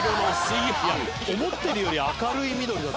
「いや思ってるより明るい緑だった」